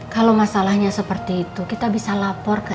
kalo masalahnya seperti itu kita bisa lapor ke rt